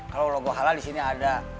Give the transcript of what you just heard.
kalau logo halal disini ada